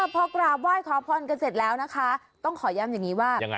พอกราบไหว้ขอพรกันเสร็จแล้วนะคะต้องขอย้ำอย่างนี้ว่า